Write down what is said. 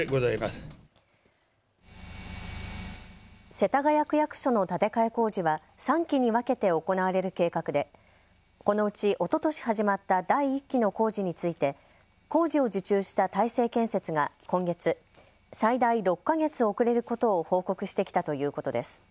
世田谷区役所の建て替え工事は３期に分けて行われる計画でこのうち、おととし始まった第１期の工事について工事を受注した大成建設が今月、最大６か月遅れることを報告してきたということです。